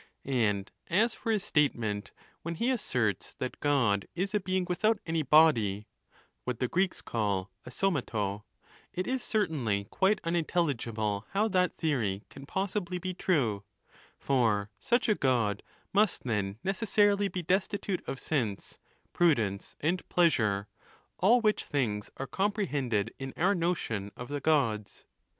And as for his statement when he asserts that God is a being without any body — what the Greeks call aaiifiaTos — it is certainly quite unintelligible how that theory can pos sibly be true ; for such a God must then necessarily be destitute of sense, prudence, and pleasure ; all which things are comprehended in our notion of the Gods.